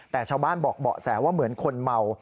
แต่ชาวบ้านบอกเบาะแสว่าเหมือนคนเมา